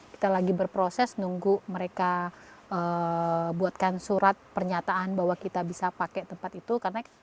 kita lagi berproses nunggu mereka buatkan surat pernyataan bahwa kita bisa pakai tempat itu